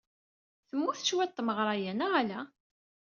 Temmut cwiṭ tmeɣra-a, neɣ ala?